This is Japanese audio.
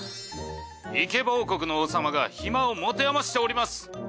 『イケボ王国の王様がヒマをもてあましておりますっ！！』。